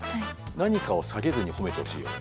何かを下げずに褒めてほしいよね。